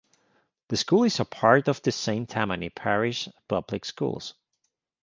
The school is a part of the Saint Tammany Parish Public Schools.